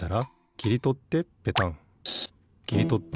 きりとってペタン。